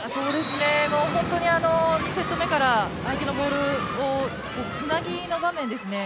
本当に２セット目から相手のボールのつなぎの場面ですね。